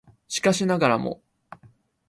しかしながらも